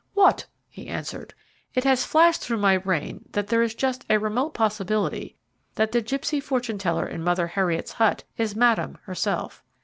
"What?" he answered. "It has flashed through my brain that there is just a remote possibility that the gipsy fortune teller in Mother Heriot's hut is Madame herself."